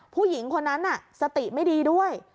ผู้หญิงคนนั้นสติไม่ดีด้วย